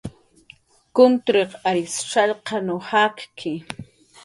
Kuntiriq ary shallqan jakki